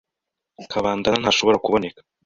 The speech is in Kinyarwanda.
Kabandana ntashaka kuboneka.